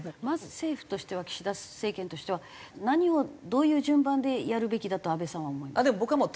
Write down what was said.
まず政府としては岸田政権としては何をどういう順番でやるべきだと安部さんは思いますか？